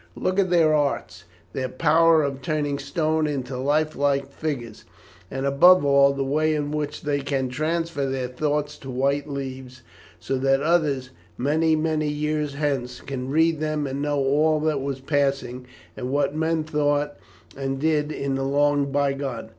Look at their arts, their power of turning stone into lifelike figures, and above all, the way in which they can transfer their thoughts to white leaves, so that others, many many years hence, can read them and know all that was passing, and what men thought and did in the long bygone.